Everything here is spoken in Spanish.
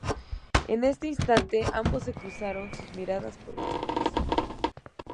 En ese instante, ambos se cruzaron sus miradas por última vez.